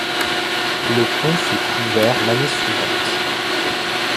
Le pont fut couvert l'année suivante.